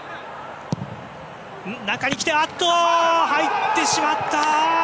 中にきて、入ってしまった！